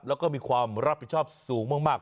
แล้วก็มีความรับผิดชอบสูงมาก